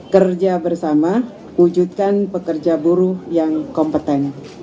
kerja bersama wujudkan pekerja buruh yang kompeten